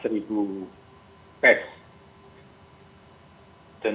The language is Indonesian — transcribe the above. tentunya di jakarta saja mendeteksi